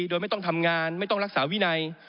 โดยไม่ต้องทำงานไม่ต้องรักษาวินัย